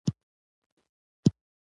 په دې کال کې د غلو دانو حاصل ډېر ښه و